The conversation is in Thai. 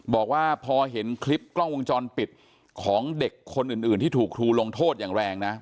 บอกว่าพอเห็นคลิปกล้องวงจรปิดของเด็กคนอื่นที่ถูกครูลงโทษอย่างแรงนะ